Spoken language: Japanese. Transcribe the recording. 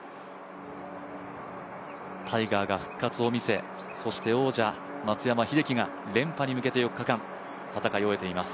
タイガーが復活を見せ、そして王者・松山英樹が連覇に向けて４日間戦い終えています。